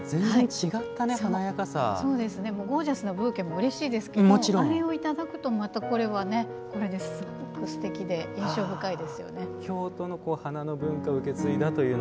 ゴージャスなブーケもうれしいですけどあれもいただけるとすてきで印象深いですよね。